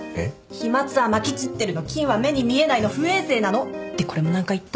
飛沫はまき散ってるの菌は目に見えないの不衛生なのってこれも何回言った？